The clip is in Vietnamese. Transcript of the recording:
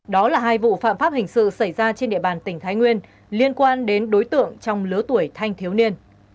đó là hai vụ phạm pháp hình sự xảy ra trên địa bàn tỉnh thái nguyên liên quan đến đối tượng trong lứa tuổi thanh thiếu niên